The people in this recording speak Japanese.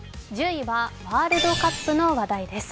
１０位はワールドカップの話題です。